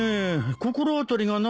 心当たりがないな。